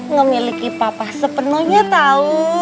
ngemiliki papa sepenuhnya tau